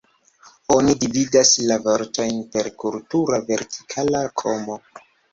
Oni dividas la vortojn per kurta vertikala komo.